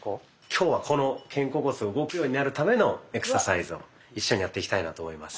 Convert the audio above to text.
今日はこの肩甲骨が動くようになるためのエクササイズを一緒にやっていきたいなと思います。